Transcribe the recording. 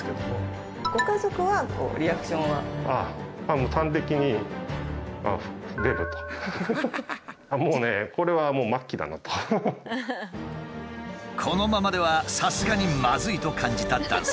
もう端的にこのままではさすがにまずいと感じた男性。